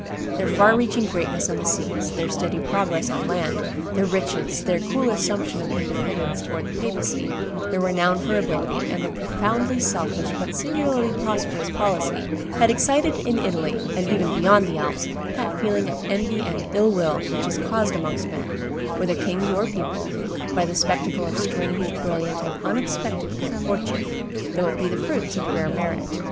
Their far reaching greatness on the seas, their steady progress on land, their riches, their cool assumption of independence towards the papacy, their renown for ability, and their profoundly selfish, but singularly prosperous policy, had excited in Italy, and even beyond the Alps, that feeling of envy and ill will which is caused amongst men, whether kings or people, by the spectacle of strange, brilliant, and unexpected good fortune, though it be the fruits of rare merit.